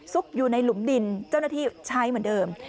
อยู่ในหลุมดินเจ้าหน้าที่ใช้เหมือนเดิม